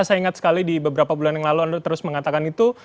saya ingat sekali di beberapa bulan yang lalu anda terus mengatakan itu